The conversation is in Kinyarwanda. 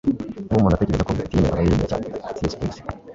niba umuntu atekereza ko atiyemera, aba yiyemera cyane - c s lewis